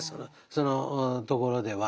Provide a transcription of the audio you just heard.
そのところでは。